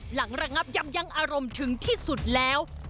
ระงับยำยังอารมณ์ถึงที่สุดแล้ว